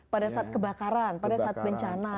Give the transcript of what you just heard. pada saat kebakaran pada saat bencana